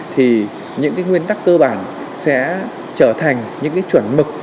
thì những cái nguyên tắc cơ bản sẽ trở thành những cái chuẩn mực